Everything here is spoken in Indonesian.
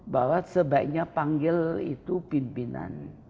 bahwa sebaiknya panggil itu pimpinan